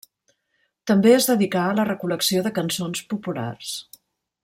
També es dedicà a la recol·lecció de cançons populars.